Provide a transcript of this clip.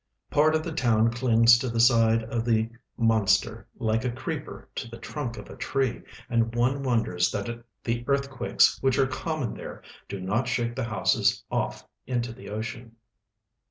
Part of the town clings to the side of the momster like a creeper to the trunk of a tree, and one wonders tliat the earthquakes, which are common there, do not shake the houses off into the ocean.